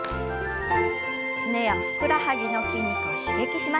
すねやふくらはぎの筋肉を刺激しましょう。